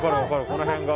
この辺が。